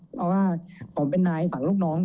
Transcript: เพราะว่าผมเป็นนายฝั่งลูกน้อง